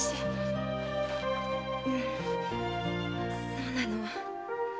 そうなの。